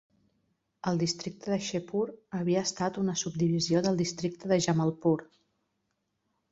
El districte de Sherpur havia estat una subdivisió del districte de Jamalpur.